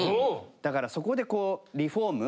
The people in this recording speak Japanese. だからそこでこうリフォーム？